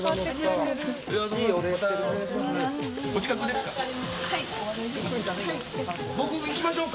お近くですか？